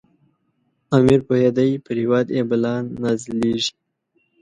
امیر پوهېدی پر هیواد یې بلا نازلیږي.